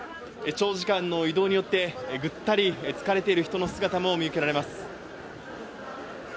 長時間の移動によって、ぐったり、疲れている人の姿も見受けられます。